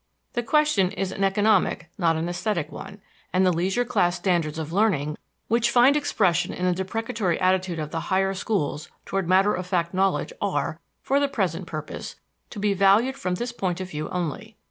The question is an economic, not an aesthetic one; and the leisure class standards of learning which find expression in the deprecatory attitude of the higher schools towards matter of fact knowledge are, for the present purpose, to be valued from this point of view only.